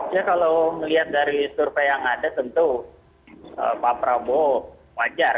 ya kalau melihat dari survei yang ada tentu pak prabowo wajar